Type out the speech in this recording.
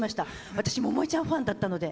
私、百恵ちゃんファンだったので。